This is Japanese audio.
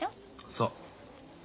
そう。